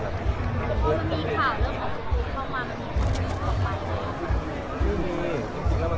แล้วมันไม่ได้มีการมาบอกอะไรนะครับ